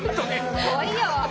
すごいよ。